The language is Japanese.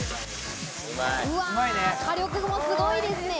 火力もすごいですね。